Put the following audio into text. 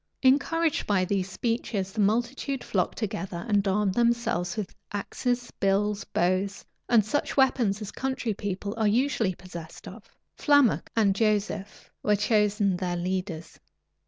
Encouraged by these speeches, the multitude flocked together, and armed themselves with axes, bills, bows, and such weapons as country people are usually possessed of. Flammoc and Joseph were chosen their leaders.